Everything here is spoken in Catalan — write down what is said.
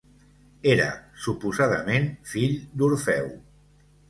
Era, suposadament, fill d'Orfeu.